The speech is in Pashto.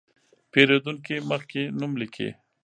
پېرېدونکي مخکې نوم لیکي.